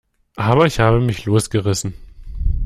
Aber ich habe mich losgerissen.